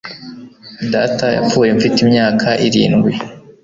Data yapfuye mfite imyaka irindwi